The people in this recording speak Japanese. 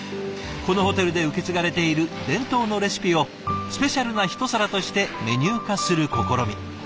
このホテルで受け継がれている伝統のレシピをスペシャルなひと皿としてメニュー化する試み。